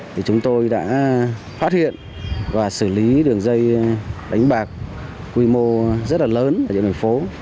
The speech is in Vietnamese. thì chúng tôi đã phát hiện và xử lý đường dây đánh bạc quy mô rất là lớn ở địa bàn phố